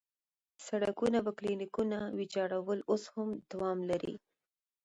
سړکونه او کلینیکونه ویجاړول اوس هم دوام لري.